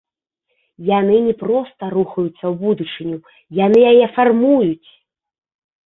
Яны не проста рухаюцца ў будучыню, яны яе фармуюць.